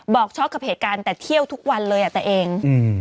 ช็อกกับเหตุการณ์แต่เที่ยวทุกวันเลยอ่ะแต่เองอืม